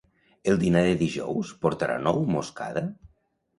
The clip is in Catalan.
El dinar de dijous portarà nou moscada?